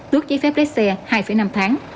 tuốt giấy phép đế xe hai năm tháng